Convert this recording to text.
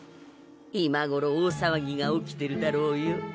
今ごろ大さわぎが起きてるだろうよ。